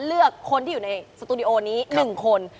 เลือกคนที่อยู่ในสตูดิโอนี้๑คน